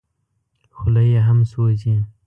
خوله یې هم سوځي .